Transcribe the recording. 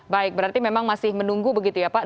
baik berarti memang masih menunggu begitu ya pak